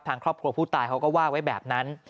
ทางครอบครัวผู้ตายเขาก็ว่าไว้แบบนั้น